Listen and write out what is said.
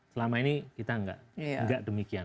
selama ini kita enggak enggak demikian